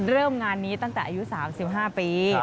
เริ่มงานนี้ตั้งแต่อายุ๓๕ปี